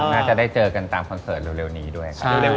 น่าจะได้เจอกันตามคอนเสิร์ตเร็วนี้ด้วยครับ